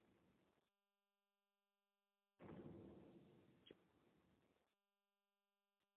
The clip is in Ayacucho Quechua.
Kay runam huk ancha riqsisqa takiqmi.